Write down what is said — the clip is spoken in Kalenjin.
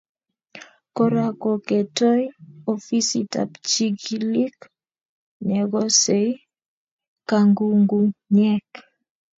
Kora ko ketoi ofisitap chigilik nekosei kangungunyet